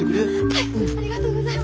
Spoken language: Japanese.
はい。